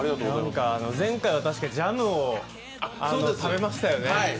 前回は確かジャムを食べましたよね。